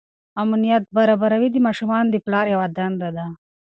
امنیت برابروي د ماشومانو د پلار یوه دنده ده.